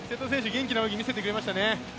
元気な泳ぎ見せてくれましたね。